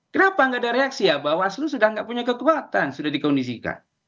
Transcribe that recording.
kenapa nggak ada reaksi ya bawaslu sudah tidak punya kekuatan sudah dikondisikan